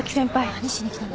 何しに来たの？